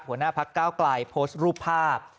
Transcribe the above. หัวหน้าภักดิ์ก้าวกลายโพสต์รูปภาพ